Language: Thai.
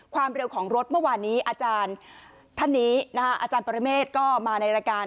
ความเร็วของรถเมื่อวานนี้อาจารย์ท่านนี้อาจารย์ปรเมฆก็มาในรายการ